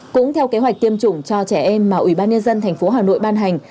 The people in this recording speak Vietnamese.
cũng theo kế hoạch tiêm chủng cho trẻ em mà ủy ban nhân dân thành phố hà nội ban hành